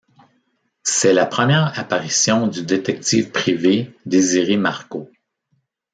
C'est la première apparition du détective privé Désiré Marco.